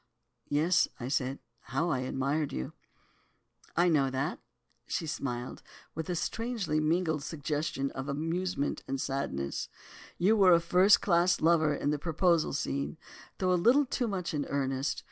"'Yes,' I said, 'how I admired you!' "'I know that,' and she smiled with a strangely mingled suggestion of amusement and sadness; 'you were a first class lover in the proposal scene, though a little too much in earnest.